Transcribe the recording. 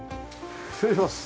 失礼します。